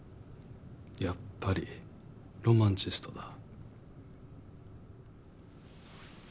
やっぱりロマンチストだ。